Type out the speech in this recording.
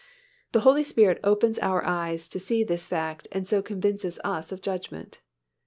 The Holy Spirit opens our eyes to see this fact and so convinces us of judgment.